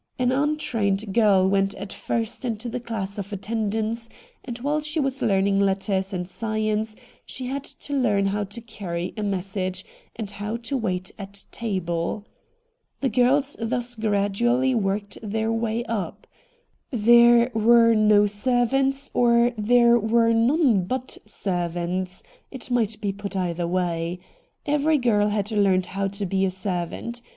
An un trained girl went at first into the class of attendants, and while she was learning letters and science she had to learn how to carry a message and how to wait at table. The girls thus gradually worked their way up. There were no servants, or there were none but servants — it might be put either way. Every girl had learned how to be a servant.